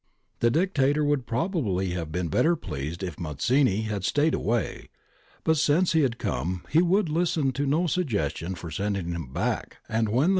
* The Dictator would probably have been better pleased if Mazzini had stayed away, but since he had come, he would listen to no suggestion for sending him back, and when the scum ' Mfm.